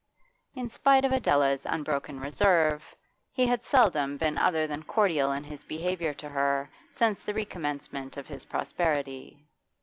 In spite of Adela's unbroken reserve, he had seldom been other than cordial in his behaviour to her since the recommencement of his prosperity.